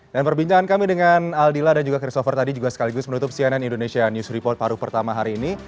dan perbincangan kami dengan aldila dan christopher tadi juga sekaligus menutup cnn indonesia news report paruh pertama hari ini